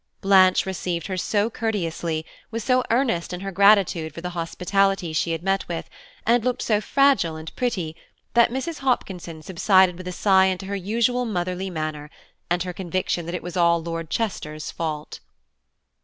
Blanche received her so courteously, was so earnest in her gratitude for the hospitality she had met with, and looked so fragile and pretty, that Mrs. Hopkinson subsided with a sigh into her usual motherly manner, and her conviction that it was all Lord Chester's fault.